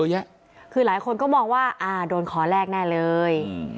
คอมเมนต์กันเยอะแยะคือหลายคนก็มองว่าอ่าโดนขอแรกแน่เลย